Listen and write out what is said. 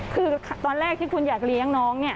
คือตอนแรกที่คุณอยากเลี้ยงน้องเนี่ย